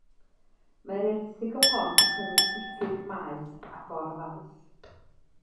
Mae'r erthygl hon yn cynnwys diffyg maeth a gor faeth.